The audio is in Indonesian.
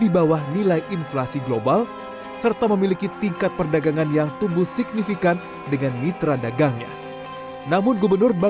bahwa kerjasama internal yang solid antara negara asean amat dibutuhkan